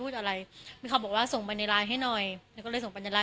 พูดอะไรพี่เขาบอกว่าส่งบรรยายให้หน่อยหนูก็เลยส่งบรรยาย